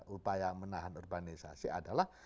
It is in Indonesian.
upaya menahan urbanisasi adalah